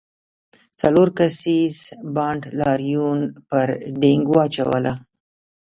څلور کسیز بانډ لاریون پر دینګ واچوله.